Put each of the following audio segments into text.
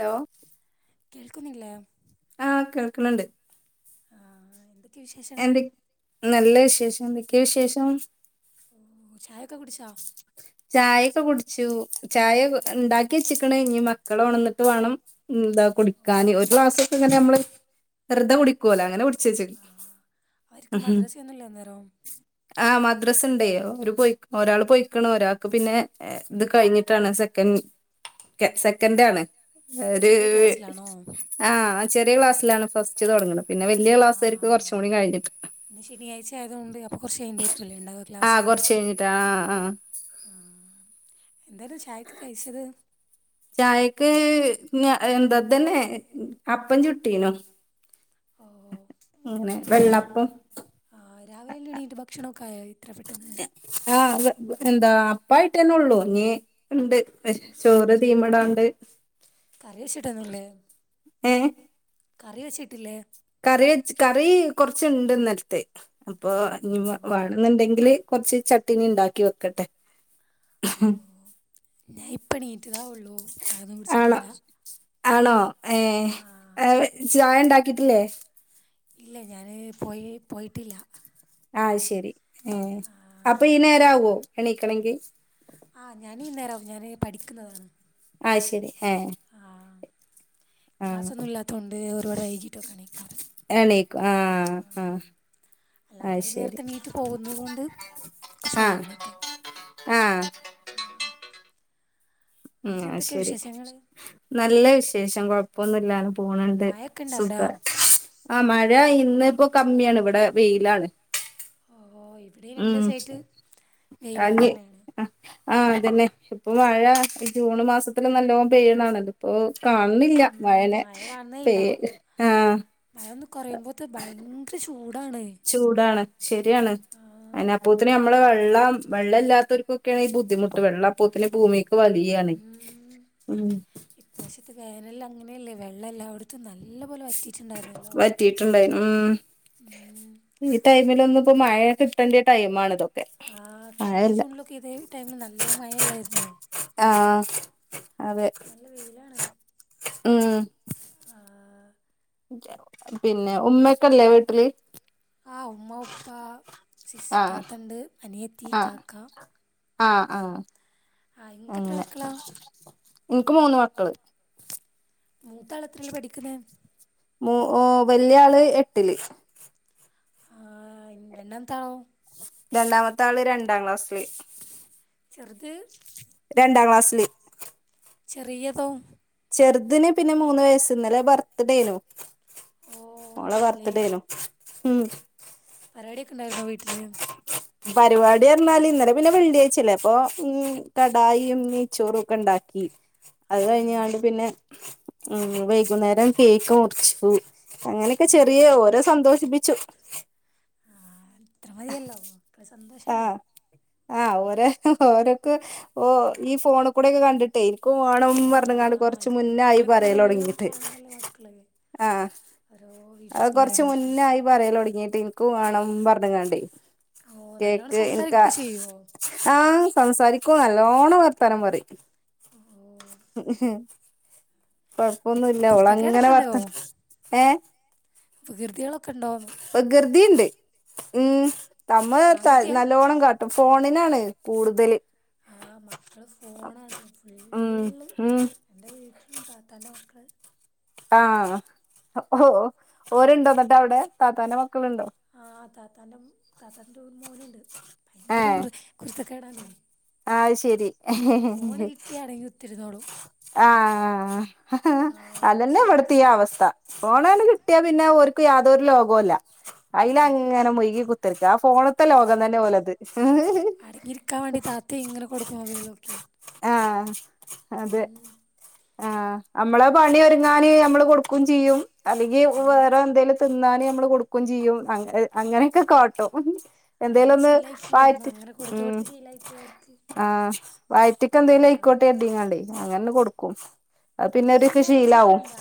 Hello കേൾക്കുന്നില്ലേ ആഹ് കേൾക്കുന്നുണ്ട് ആഹ് എന്തൊക്കെയ വിശേഷങ്ങള് എന്തൊ നല്ല വിശേഷം, എന്തൊക്കെയ വിശേഷം ഓ ചായ ചായയൊക്കെ കുടിച്ചു ചായ ഉണ്ടാക്കി ച്ചക്കണ് ഇനി മക്കള് ഉണന്നിട്ട് വേണംന്താ കുടിക്കാൻ ഓ ഒരു ഗ്ലാസ്സ് ഒക്കെ ഇങ്ങനെ നമ്മള് വെറുതെ കുടിക്കുവലോ അങ്ങനെ കുടിച്ചച്ച് ആ അവർക്ക് മദ്രസയൊന്നുമില്ലേ അന്നേരം ആഹ് മദ്രാസ് ഉണ്ടെയ് അവര് പോയിക്ക് ഒരാൾ പൊയിക്ണ് ഒരാൾക്ക് പിന്നെ എഹ് ഇത് കഴിഞ്ഞിട്ടാണ് സെക്കൻഡ് സെക്കൻഡ് ആണ് ഒരു ചെറിയ ക്ലാസ്സിലാണോ ആഹ് ചെറിയ ക്ലാസിലാണ് ഫസ്റ്റ് തുടങ്ങുന്നത് പിന്നെ വലിയ ആ ക്ലാസ്കാർക്ക് കുറച്ചും കൂടി കഴിഞ്ഞിട്ട് ഇന്ന് ശനിയാഴ്ച്ച ആയതുകൊണ്ട് അപ്പ കൊറച്ച് കഴിഞ്ഞ്ഞിട്ട് ആരികുല്ലേ ഉണ്ടാവും ആഹ് ക്ലാസ് കുറച്ച് കഴിഞ്ഞിട്ട് ആഹ് ആഹ് ആഹ് എന്താന്ന് ചായക്ക് കഴിച്ചത് ചായക്ക് ങ എന്താ ഇതന്നെ അപ്പം ചുട്ടീനു ഓ ആണ് വെള്ളപ്പം ആ രാവിലെ എല്ലാ എണീട്ട് ഭക്ഷണം ഒക്കെ ആയാ ഇത്ര പെട്ടെന്ന് ആഹ് വ് വ എന്താ അപ്പായിട്ടന്നെ ഉള്ളൂ ഇനീ ഉണ്ട് ചോറ് തീമടാൻണ്ട് കറി വേച്ചിട്ടൊന്നുംല്ലേ, കറി വേച്ചിട്ടില്ലേ കറിവെച് കറി കൊറച്ചുണ്ട് ഇന്നലത്തെ അപ്പൊ ഓ ഇനി വ വെണുന്നുണ്ടെങ്കില് കൊറച്ച് ചട്ടിണി ഉണ്ടാക്കി വെക്കട്ടെ ഓ, ഉം ഞാൻ ഇപ്പ എണീറ്റതാവൊള്ളൂ ചായൊന്നും കുടിച്ചിട്ടില്ല ഒ ഏ ആ ചായ ഉണ്ടാക്കിട്ടില്ലേ ഇല്ല ഞാന് പോയി പോയിട്ടില്ല ആഹ് അത്ശരി ഉം ആ അപ്പൊ ഈ നേരം ആവോ എണീക്കണങ്കി ആ ഹ് ഞാൻ ഈ നേരാവും ഞാനീ പഠിക്കുന്നതാണ് അത്ശരി ആഹ് അഹ് ആഹ് ക്ലാസ് ഒന്നും ഇല്ലാത്തൊണ്ട് ഒരുപാട് വൈകിട്ടോകെണിക്കാറ് എണീക്കു ആഹ് ആഹ് അത് അല്ലാത്തരം ശരി നേർത്തെ എണീറ്റ് പോവന്നുതൊണ്ട് ആഹ് ആഹ് ഉം ഇത്ജ് അത് എന്തൊക്കെ ശരി വിശേഷങ്ങൾ നല്ല വിശേഷം കൊഴപ്പൊന്നുംല്ലാണ് പോണണ്ട് മഴയൊക്കെ ഉണ്ടോ അവിടെ സുഖ ആഹ് മഴ ഇന്ന് ഇപ്പോ കമ്മിയാണ് ഇവിടെ വെയിലാണ് ഓഹ് ഓഹ് ഇവിടെ രണ്ടു ഉം ദിവസായിട്ട് വെയിലൊക്കെ അഞ്ഞ് തന്നെ ആഹ് അതന്നെ ഇപ്പൊ മഴ ഈ ജൂൺ മാസത്തില് നല്ലോണം പെയ്യുന്നാണല്ലോ ഇപ്പൊ കാണുന്നില്ല ഉം, മഴെനെ പേയ് ആഹ് മഴയൊന്ന് കൊറയുമ്പോത്തെ ഭയങ്കര ചൂടാണ് ചൂടാണ് ശരിയാണ് ആ അയിന് അപ്പോതിന് നമ്മള് വെള്ളം വെള്ളല്ലാത്തർക്കൊക്കെയാണ് ഈ ബുദ്ധിമുട്ട് വെള്ളം അപ്പോത്തിന് ഭൂമി ക്ക് വലിയാണ് ഉം ഉം ഇപ്രാവശ്യത്തെ വേനല് അങ്ങനെയല്ലേ വെള്ളം എല്ലാവിടത്തും നല്ല പോലെ വറ്റിയിട്ടുണ്ടായിരുന്നല്ലോ വറ്റീറ്റുട്ടുണ്ടായി ഉം ഉം. ഈ ടൈമിലൊന്നും ഇപ്പോ മഴയ കിട്ടേണ്ട ടൈമാണിതോക്കെ ആഹ് കഴിഞ്ഞ ജൂണിലൊക്കെ ഇതേ ടൈമില് നല്ല മഴയല്ലായിരുന്നൊ ആഹ് അതെ നല്ല വെയിലാണ് ഉം ആഹ് പിന്നെ ഉമ്മക്കല്ലേ വീട്ടില് ആഹ് ഉമ്മ ഉപ്പ സിസ് ആഹ് താത്തണ്ട് അനിയത്തി ആഹ് കാക്കാ ആഹ് ആഹ് ആഹ് ഇങ്ങക്ക് എത്ര മക്കളാ ഇന്ക്ക് മൂന്ന് മക്കള് മൂത്താള് എത്രയില പഠിക്ക്ന്നെ ഓഹ് ഓഹ് വല്യാള് എട്ടില് ആഹ് രണ്ടാമത്തെ ആളൊ രണ്ടാമത്തെ ആള് രണ്ടാം ക്ലാസില് ചെറുത് രണ്ടാം ക്ലാസ്സില് ചെറിയതോ ചെറുതിന് പിന്നെ മൂന്ന് വയസ് ഇന്നലെ ബർത്ത്ഡേയ്നു ഓ മോളെ അടിപൊളി ബർത്ത്ഡേനു ഉം പരിപാടിയൊക്കെ ഉണ്ടായിര്ന്നോ വീട്ടില് പരിപാടി എന്നാല് ഇന്നലെ പിന്നെ വെള്ളിയാഴ്ച്ചെല്ലെ അപ്പ ഉം കടായിയും നെയ്ച്ചോറോക്കെ ണ്ടാക്കി [inaudible] അത് കഴിഞ്ഞാണ്ട് പിന്നെ ഉം വൈകുന്നേരം കേക്ക് മുറിച്ച് അങ്ങനെക്ക ഓ ചെറിയ ഓരെ സന്തോഷിപ്പിച്ചു ആഹ് അത്ര മതിയല്ലോ അത്ര സന്തോഷല്ലേ ആഹ് ആഹ് ഓരെ ഓരോക്ക് ഓഹ് ഈ ഫോണി കൂടെക്കെ കണ്ടി ട്ട് കേക്ക് വാണം ആ പറഞ്ഞ്ങ്ങാണ്ട് കൊറച്ച് ഇപ്പൊ മുന്നായി ഫോണിൽ കൂടെ എല്ലാം പറയലോടങ്ങിട്ട് കാണുന്നല്ലേ മക്കള് ആഹ് ഓരോ അത് വീഡിയോസും കൊറച്ച് കാര്യങ്ങളൊക്കെ മുന്നായി പറയലോടങ്ങിട്ട് ഇനിക്കും വേണം പറഞ്ഞ്ങ്ങാണ്ട് ഓ നല്ലോണം കേക്ക് എനിക്കാ സംസാരിക്കൊക്കെ ചെയ്യുവോ ആഹ് സംസാരിക്കും നല്ലോണം വർത്താനം പറയും ഓ ഉം വി കൊഴപ്പൊന്നുല്ല ഓളങ്ങനെ കുരുത്തക്കേടൊക്കെ വർത്താനം ഏഹ് വികൃതികളൊക്കെണ്ടോന്ന് വികൃതിണ്ട് ഉം തമ്മ് തെറ്റാൽ ആൺകുട്ടിയാ നല്ലോണം കാട്ടും ഫോണിനാണ് കൂടുതല് ആ മക്കള് ഫോണാണ് ഉം ഫുള്ള് ഉം എൻ്റെ വീട്ടിലും താത്തൻ്റെ മക്കള് ആഹ് ഓ ഓരുണ്ട എന്നിട്ട് അവിടെ താത്താന്റെറെ മക്കളുണ്ടോ? ആഹ് താത്താന്റെ താത്താന്റോ മോനുണ്ട് ഭയങ്കര കുരു കുരുത്തക്കേടാണ്. ആഹ് ശെരി [unintelligible] കുത്തിരുന്നോളു ആഹ് അത് അതന്നെ പിടിച്ചവിടെ കുത്തി ആ ഇവിടത്തെ അവസ്ഥ ഫോണാണ്ട് കിട്ടിയാ പിന്നെ ഒ ാർക്കു യാതൊരു ലോകുല്ല. അയില അത് അങ്ങന മുഴ്‌കി കുത്തിർക്ക ആ ഫോണത്തെ ലോകം തന്നെ ഓലത്. അടങ്ങിയിരിക്കാവണ്ടി താത്തിങ്ങനെ കൊടുക്കു മൊബൈലൊക്കെ ആഹ് അതെ ഉം. ആഹ് അമ്മള് പണി ഒതുങ്ങാന് നമ്മള് കൊടുക്കു ചെയ്യും. അല്ലെങ്കി അതാണ് വേറെ എന്തേലും തിന്നാനു നമ്മള് കൊടുക്കും ചെയ്യും അ അങ്ങനെയൊക്ക ക അതാണ് എന്തേലോന്ന് ശീലായി പോവാ നമ്മൾ ആയിട്ട് അങ്ങനെ ഉം കൊടുത്ത് കൊടുത്ത് ശീലായി പോവാ അവർക്ക് ആഹ് വയറ്റ്ക്കെന്തെങ്കലു ആയിക്കോട്ടെ ആഹ് കര്തിങ്ങാണ്ടെ അങ്ങനെ കൊടുക്കും. അത് ഇത് പിന്നൊരുക്ക്‌ തിന്നാനൊന്നും ഷീലാവും വേണ്ട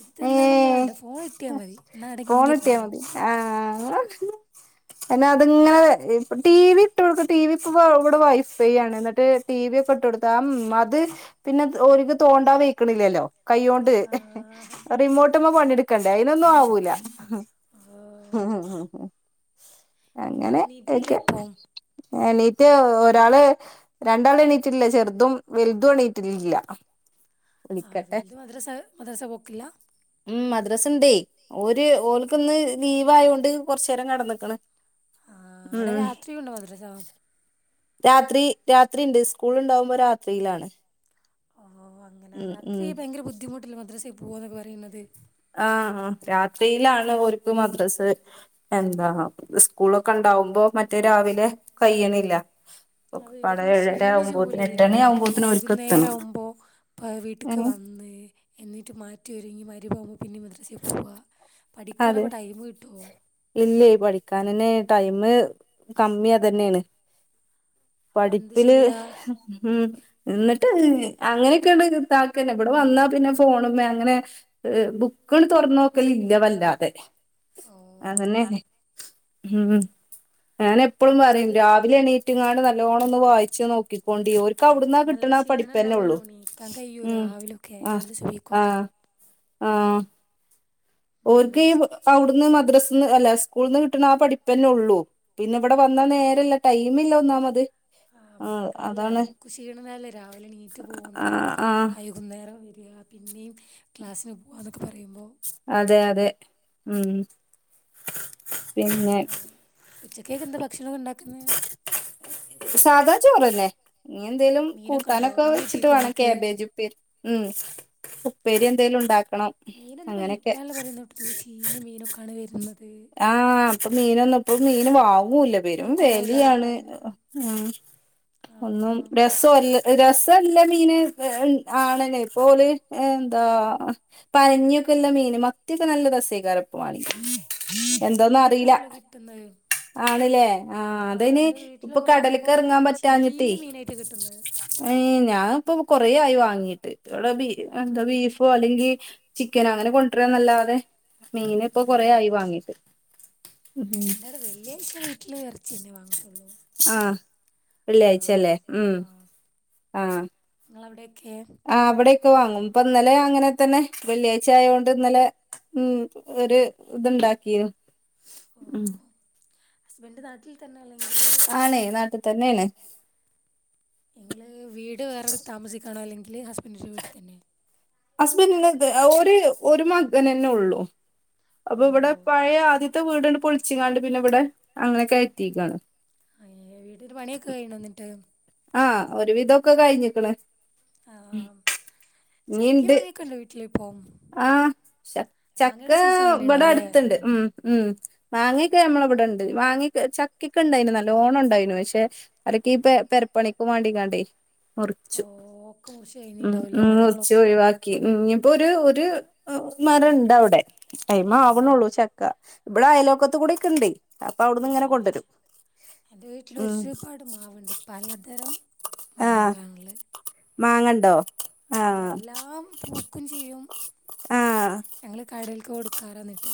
ഇത് തിന്നാനൊന്നു വേണ്ട ഫോൺ കിട്ടിയാ മതി എന്ന ഫോണിട്ടിയാ അടങ്ങിയിരുന്നോളും. മതി ആഹ് അഹ്നതിങ്ങനെ ടി വി ഇട്ട് കൊടുക്കു ടി വി ഇവടെ വൈഫൈ ആണ് എന്നിട്ട് ടി വി ഒക്കെ ഇട്ട് കൊടുത്ത ആ മത് പിന്നെ ഒ ാല്ക്ക് തോണ്ട വയ്ക്ക്ണില്ലല്ലോ. ആ കൈയോണ്ട് റിമോട്ട്മ്മ പണിയെടുക്കണ്ടേ അയിനൊന്നു ആവൂല. ഓ എന്നിട്ട് അത് അങ്ങനെ എണീറ്റില്ലേ ഒക്കെ ഇപ്പോൾ എണീറ്റ് ഒരാള് രണ്ടാള് എണീറ്റില്ലേ ചെറ്തും വല്തും എണീറ്റിട്ടില്ല വിളിക്കട്ടെ ആഹ് വല്തും മദ്രസ മദ്രസ പോക്കില്ല? ഉം മദ്രസുണ്ടേയ് ഓര് ഓല്ക്ക്ന്ന് ലീവ് ആയോണ്ട് കൊറച്ചെരം കെടന്നക്ക്ണ്. ആഹ് അവടെ രാത്രി ഒള്ളു മദ്രസാ രാത്രി രാത്രി ഇണ്ട് സ്കൂള്ണ്ടാവുമ്പോ രാത്രിയിലാണ് ആഹ് അങ്ങന ഉം ഉം രാത്രി ഭയങ്കര ബുദ്ധിമുട്ടില്ല മദ്രാസയിൽ പോവന്നൊക്കെ പറയുന്നത്? ആഹ് അ രാത്രിയിലാണ് ഒ ാര്ക്ക് മദ്രസ് എന്താ സ്കൂളൊക്കെണ്ടാവുമ്പോ മറ്റേ രാവിലെ കയ്യ്ണില്ല. അവ ഒക്കെപ്പാടെ ഇവര് ഏഴര ക്ഷീണിച്ച് ആവുമ്പോത്തിന് പോവുല്ലേ എട്ടണി ആവുമ്പോത്തിന് ഓര്ക്ക് വൈകുന്നേരം എത്തണം ആവുമ്പോ ഇപ്പ വീട്ട്ക്ക് ഏഹ് വന്ന് എന്നിട്ട് മാറ്റിയോരുങ്ങി വരുമ്പാ പിന്നെ മദ്രസൽ പോവ, പഠിക്കാനൊക്കെ ടൈം കിട്ടുമോ? ഇല്ലെ പഠിക്കാനെന്ന് ടൈമ് കമ്മി യതന്നെണ് അപ്പോൾ എന്ത് പഠിപ്പില് ചെയ്യുക ഉം എന്നിട്ട് അങ്ങനെയൊക്കെണ്ട് താക്കന്നെ ഇവിടെ വന്നാ പിന്നെ ഫോണ് മേ അങ്ങനെ ഏഹ് ബുക്കട് തുറന്നു നോക്കല് ഇല്ല വല്ലാതെ. ഓ ആണല്ലെ ഉം ഞാൻ എപ്പോഴും പറയും ഉച്ചയ്ക്ക് രാവിലെ എണി എണീറ്റുങ്ങാട് നല്ലോണ്ണം ഒന്ന് വായിച്ച് നോക്കിക്കൊണ്ടി. ഒ ാൽ ക്കാ അവിടന്നാ അവർക്ക് നല്ല കിട്ട്ണ ക്ഷീണം പഠിപ്പന്നെ ഉള്ളൂ ഉണ്ടാവുമല്ലോ എണീക്കാൻ കഴിയുമോ ഉം രാവിലെയൊക്കെ ആ് അവർ സുബഹിക്കൊക്കെ ആഹ ആഹ് ഓർക്ക് ഈ അവിടുന്ന് മദ്രസ് അല്ല സ്കൂളിന്ന് കിട്ട്ണ ആ പഠിപ്പന്നെ ഉള്ളൂ. പിന്നെ ഇവിടെ വന്നാ നേരല്ല ടൈം ഇല്ല ഒന്നാമത്. ആഹ് മക്കളല്ലേ അവർക്ക് ക്ഷീണന്നല്ലേ രാവിലെ എണീറ്റ് പോവ്ന്ന ആഹ് ആഹ് ഐ അന്നേരം വരിക പിന്നെയും ക്ലാസ്സിന് പോവ്വാ എന്നൊക്കെ പറയുമ്പോ അതെ അതെ ഉം പിന്നെ ഉച്ചകേക്ക് എന്താ ഭക്ഷണം ഉണ്ടാക്കുന്നെ സാധാ ചോറെന്നെ ഇഞ്എന്തേലും മീനൊക്കെ ഉണ്ടോ കൂട്ടാനൊക്കെ മീൻ വെച്ചിട്ട് കിട്ടീക്കോ വേണം ഇങ്ങക്ക് കാബേജും പ്പി ഉം ഉപ്പേരി എന്തേലും ഉണ്ടാക്കണം മീന് എന്തപ്പ അങ്ങനെയൊക്കെ കിട്ടാല്ല പറയുന്ന ചീന മീനൊക്കാണ് വരുന്നത് ആഹ ഇപ്പൊ മീനൊന്നും ഇപ്പം മീന് വാങ്ങൂലപ്പെ പെരും ഒരു കൊണവുല്ലാന്നൊക്കെ വേലിയാണ് പറയണെ ഉം ഒന്നും ആഹ് ര രസല്ല രസല്ല മീന് ഏഹ് ആണന് ഇപ്പോ ഓല് ഏഹ് എന്താ പനഞ്ഞൊക്കെല്ലാ മീന് മത്തിയൊക്കെ നല്ല രസേക്കയ്ക്കാരം ഇപ്പെമാണിങ്കി പക്ഷെ എന്തോന്ന് അറിയില്ല ചീഞ്ഞിട്ടാണല്ലോ കിട്ടുന്നത് ആണ്ല്ലേ ആഹ് അത് അയ്ന് എന്റെ ഇപ്പൊ വീട്ടിലൊക്കെ വാങ്ങുമ്പോ കടലക്ക് ഇറങ്ങാൻ പറ്റാഞ്ഞിട്ടേ ചീഞ്ഞ മീനായിട്ട് കിട്ടുന്നത് ഏഹ് ഞാനിപ്പോ കൊറേ ആയി വാങ്ങീട്ട് ഇവിടെ ബീ എന്താ ആഹ് ബീഫോ അല്ലെങ്കി ചിക്കനെ അങ്ങനെ കൊണ്ടിരന്നല്ലാത മീന് ഇപ്പൊ കൊറേ ആയി വാങ്ങീട്ട് എന്റോട് വെള്ളിയാഴ്ച്ച വീട്ടില് എറച്ചിന്നെ വാങ്ങും ത്തുള്ളൂ ആഹ് വെള്ളിയാഴ്ചല്ലേ ആഹ് ഉം ആഹ് ആഹ് ഇങ്ങളെ അവിടെക്കെ ആഹ് ഇവിടെയക്കെ വാങ്ങും ഇപ്പൊ ഇന്നലെ അങ്ങനെ തന്നെ വെള്ളിയാഴ്ച ആയൊണ്ട് ഇന്നലെ ഉം ഒരു ഇത് ഇണ്ടാക്കിണ് ഓഹ് ഹസ്ബൻഡ് നാട്ടിൽ തന്നെ അല്ലെങ്കില് ആണ് നാട്ടി തന്നെയാണ് നിങ്ങള് വീട് വേറൊരു താമസിക്കാണോ അല്ലെങ്കില് ഹസ്ബെന്റിന്റെ വീട്ടി തന്നെയോ ഹസ്ബെന്റിന് ഒരു ഒരു മകനെന്നെ ഒള്ളൂ അപ്പൊ ഇവിടെ ഓഹ് പഴയ ആദ്യ ത്തെ വീട്ണ്ട് പൊളിച്ചങ്ങാണ്ട് പിന്നെ ഇവിടെ അങ്ങനെ കയറ്റിക്കാണ് അയ്യ വീട്ടിന്റെ പണിയൊക്കെ കഴിണെ ഇന്നട്ട് ആഹ് ഒരുവിധോക്കെ കഴിഞ്ഞിക്ക്ണ് ആ ഇഞ് ഇണ്ട് ക്ലിപ്പോം ആഹ് ചക്ക ഇബടെ കഴിഞ്ഞിണ്ടാവുംല്ലേ അട്ത്ത് ഇണ്ട് ഉം ഉം മാങ്ങയൊക്കെ നമ്മളെ ഇവിടെ ഇണ്ട് മാങ്ങ ചക്കൊക്കെ ഉണ്ടായിന് നല്ലോണം ഉണ്ടായിനു പക്ഷേ അതക്കെ ഈ പെ പെരപ്പണിക്കുവാണ്ടികാണ്ട് ഓ മുറിച്ചു ഒക്കെ മുറിച്ച് ഉം കഴിഞ്ഞിണ്ടാവൂലേ ഉം മുറിച്ചു മരങ്ങളൊക്കെ ഒഴിവാ ഇനിയിപ്പോ ഒരു ഒരു മരം ഇണ്ട് അവിടെ അയ്മെ ഏ, ആവ്ണ് ഒള്ളൂ ചക്ക ഇവിടെ അയലോക്കത്ത് കൂടി ഒക്കെ ഇണ്ടേ അപ്പൊ അവിടുന്ന് ഇങ്ങനെ കൊണ്ടുരും എന്റെ വീട്ടില് ഒരുപാട് മാവുണ്ട് പലതരം ആഹ് മാങ്ങാകളാണ് ഉള്ളയ് മാങ്ങണ്ടോ ആഹ് എല്ലാം പൂക്കും ചെയ്യും ആഹ് ഞങ്ങള് കടേൽക്ക് കൊടുക്കാറ എന്നിട്ട്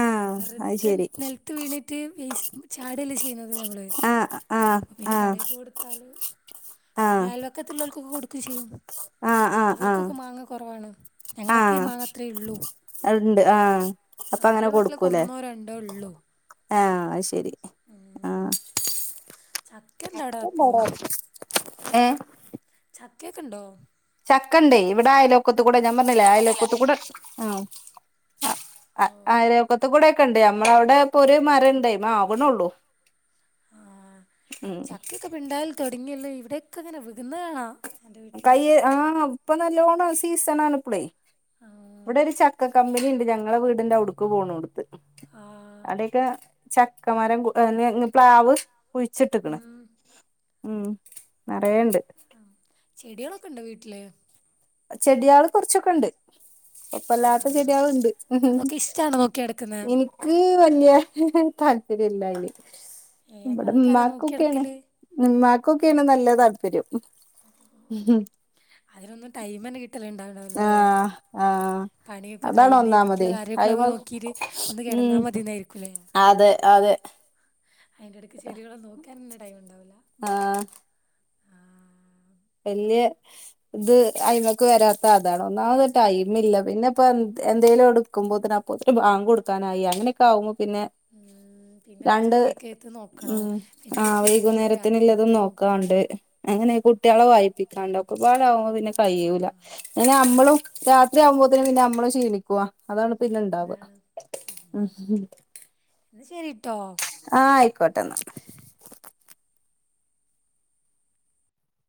ആഹ് അത് വെറെതൻ ശരി നിലത്ത് വീണീട്ട് വേസ് ചാടല്ല ചെയ്യുന്നത് നമ്മള് ആഹ് ആഹ് അപ്പൊ പിന്നെ ആഹ് കടേക്ക് കൊടുത്താല് ആഹ് പിന്നെ അൽവക്കത്തുള്ളോൽ ക്കൊക്കെ കൊടുക്കും ചെയ്യും. ആഹ് ആഹ് ആഹ് അവർക്കൊക്കെ മാങ്ങ കൊറവാണ് ഞങ്ങൾക്കേ മാങ്ങ അത്രയേ ഒള്ളൂ. അയ് ഇണ്ട് ആഹ് അപ്പൊ അങ്ങനെ ഒക്കെ കൊടുക്കും. ഒന്നോ രണ്ടോ ഉള്ളൂ അത് ശരി ഉം. ആഹ് ചക്കെണ്ടാടെ അപ്പോ. ഏഹ്. ചക്കേക്കെ ണ്ടോ. ചക്കണ്ടേ ഇവിടെ ആയല ഒക്കത്ത കൂടെ ഞാൻ പറഞ്ഞല്ലേ ആയലൊക്കത്ത കൂടെ ആ ആ ഓ ആയിരക്കത്ത് കൂടെ ഒക്കെ ഉണ്ട് നമ്മള അവിടെ ഇപ്പൊ ഒരു മരം ഉണ്ടായിമ ആകണള്ളൂ. ആഹ് ചക്കൊക്കെ പിണ്ടായൽ തൊടങ്ങില്ലേ ഇവിടെയൊക്കെ ഇങ്ങനെ വികുന്നതണാ. കയ്യ് ആഹ് ഇപ്പൊ നല്ലോണ്ണം സീസൺ ആണ ഇപ്പളേ. ആ വടൊരു ചക്ക കമ്പനിണ്ട് ഞങ്ങളെ വീടിന്റെ അവുടുക്ക് പോണോടുത്ത്. ആഹ്. ചക്ക മരം പ്ലാവ് കുഴിച്ചിട്ടക്കണ് ഉം ഉം നേറയണ്ട്. ആഹ് ചെടികളൊക്കെ ണ്ടോ വീട്ടില്. ചെടിയാള് കൊറച്ചൊക്കെ ണ്ട്. ആ ഇപ്പല്ലാത്ത ചെടയാളുണ്ട് അതൊക്കെ ഇഷ്ടാണോ നോക്കി നടക്കുന്നെ ഇനി. ക്ക് വലിയ താല്പര്യ ഇല്ലായില് ഏ അപ്പൊ നവിടെ അതൊക്കെ ആരാ നോക്കി ഉ്മാക്കൊക്കെയാണ്. നടക്കല് മ്മാക്കോക്കാണ് നല്ല താല്പര്യം. അതിലൊന്നും ടൈംഎന്നെ കിട്ടല ഇണ്ടാവ ആഹ് ആഹ്. പണിയൊക്കെ അതാണ് കൈഞ്ഞ് കുട്ട്യാള ഒന്നാമതേ കാര്യൊക്കൊക്കെ അയ്മ നോക്കീട്ട് ഒന്ന് കെടന്ന ഉം മതിന്നായിരിക്കൂലേ. അതെ അതെ അയിന്റെടക്ക് ചെടികളെ നോക്കാനെന്നെ ടൈം ണ്ടാവൂല. ആഹ്. വല്യ ഇത് അയ്‌മക്ക് വരാത്ത അതാണ് ഒന്നാമത് ടൈമില്ല പിന്നെ ഇപ്പ എന്തെങ്കലും എടുക്കുമ്പോത്തിന് അപ്പത്തിന് ബാങ്ങ് കൊടുക്കാനായി അങ്ങനെയൊക്കെ ആവുമ്പോ പിന്നെ. ഉം. പിന്നെ രണ്ട് ഉച്ചക്കെക്കെത് നോക്കണോ ഉം പിന്നെ ആ കൊറച്ചയ്യുബോത്ത് രാത്രിയൊക്ക വൈകുന്നേരത്തിനുള്ളതും എത്ത് നോക്കണോ. നോക്കാണ്ട് അങ്ങനെ കുട്ടികളെ വായിപ്പിക്കാണ്ട് ഒക്കെപാടാവുമ്പ പിന്നെ ആ കയ്യൂല അങ്ങനെ അമ്മളും. രാത്രയാവുമ്പോത്തിന് പിന്നെ അമ്മളു ഷീണിക്കുവ അതാണ് പിന്നെ ഉണ്ടാവുക അതാണ് ഉ. ന്ന ശെരിട്ടോ. ആഹ് ആയിക്കോട്ടെന്ന.